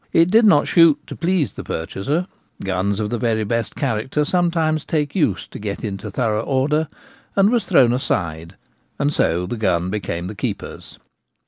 It did not shoot to please the purchaser — guns of the very best character sometimes take use to get into thorough order — and was thrown aside, and so the gun became the keeper's.